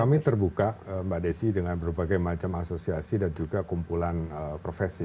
kami terbuka mbak desi dengan berbagai macam asosiasi dan juga kumpulan profesi